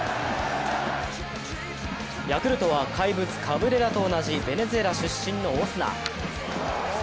ヤクルトは怪物・カブレラと同じベネズエラ出身のオスナ。